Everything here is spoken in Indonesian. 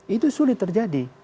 itu sulit terjadi